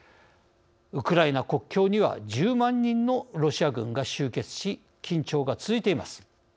ウクライナ国境には１０万人のロシア軍が集結し緊張が続いています。